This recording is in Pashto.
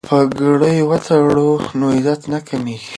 که پګړۍ وتړو نو عزت نه کمیږي.